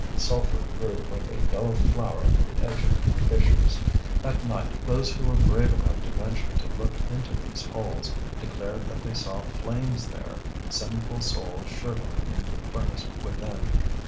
Sulphur grew like a yellow flower at the edge of the fissures. At night, those who were brave enough to venture to look into these holes declared that they saw flames there, sinful souls shrivelling in the furnace within.